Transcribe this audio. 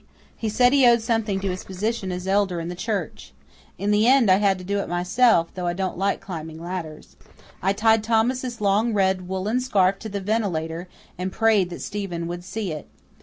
He said he owed something to his position as elder in the church. In the end I had to do it myself, though I don't like climbing ladders. I tied Thomas' long red woollen scarf to the ventilator, and prayed that Stephen would see it.